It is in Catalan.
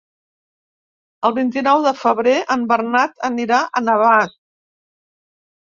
El vint-i-nou de febrer en Bernat anirà a Navàs.